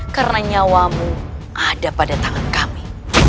karena nyawamu ada pada tangan kami